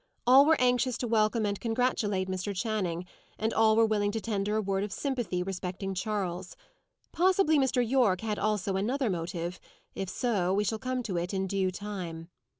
All were anxious to welcome and congratulate Mr. Channing; and all were willing to tender a word of sympathy respecting Charles. Possibly Mr. Yorke had also another motive: if so, we shall come to it in due time.